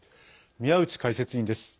宮内解説委員です。